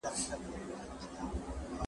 پلار به ناسمه مشوره نه وي ورکړې.